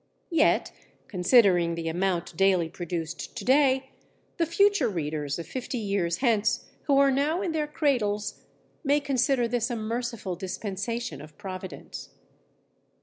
Yet, considering the amount daily produced to day, the future readers of fifty years hence who are now in their cradles, may consider this a merciful dispensation of Providence.